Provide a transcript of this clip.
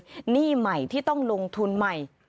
หนี้ใหม่ที่ต้องลงทุนใหม่